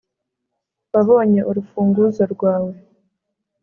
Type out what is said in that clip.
wabonye urufunguzo rwawe